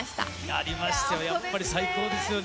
ありましたよ、やっぱり最高ですよね。